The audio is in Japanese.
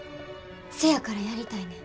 せやからやりたいねん。